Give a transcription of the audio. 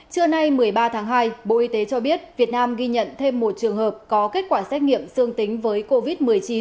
trưa nay một mươi ba tháng hai bộ y tế cho biết việt nam ghi nhận thêm một trường hợp có kết quả xét nghiệm dương tính với covid một mươi chín